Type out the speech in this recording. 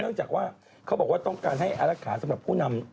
เนื่องจากว่าเค้าบอกว่าต้องการให้อลักษณ์สำหรับผู้นำ